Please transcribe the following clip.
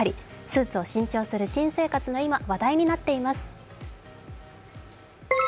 スーツを新調する新生活の今、話題になっています。